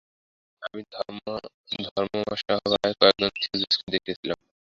শুধু তাহাই নহে, আমি ধর্মমহাসভায় কয়েকজন থিওজফিস্টকে দেখিলাম।